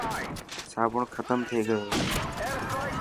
صابڻ ختم تي گيو.